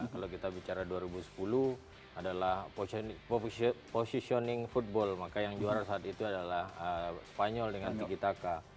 kalau kita bicara dua ribu sepuluh adalah positioning football maka yang juara saat itu adalah spanyol dengan tikitaka